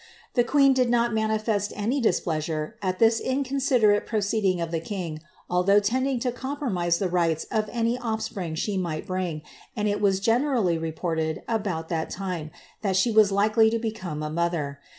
The queen did not manifest any displeasure at this inconsiderate pro ceeding of the king, although tending to compromise the rights of any Dfispring she might bring, and it was generally reported, about that time, that she was likely to become a mother.